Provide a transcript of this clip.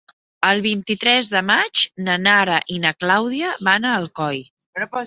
El vint-i-tres de maig na Nara i na Clàudia van a Alcoi.